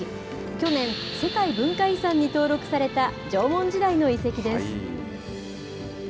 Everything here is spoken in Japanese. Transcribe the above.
去年、世界文化遺産に登録された縄文時代の遺跡です。